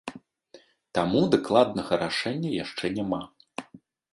Таму дакладнага рашэння яшчэ няма.